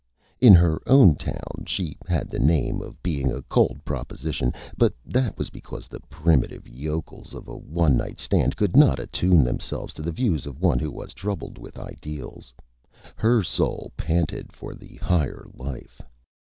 In her own Town she had the Name of being a Cold Proposition, but that was because the Primitive Yokels of a One Night Stand could not Attune Themselves to the Views of one who was troubled with Ideals. Her Soul Panted for the Higher Life.